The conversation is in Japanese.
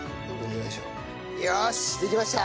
よしっできました！